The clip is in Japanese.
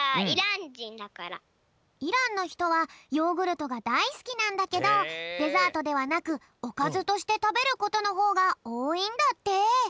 イランのひとはヨーグルトがだいすきなんだけどデザートではなくおかずとしてたべることのほうがおおいんだって。